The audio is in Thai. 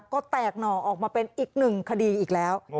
ก็แตกหน่อออกมาเป็นอีกหนึ่งคดีอีกแล้ว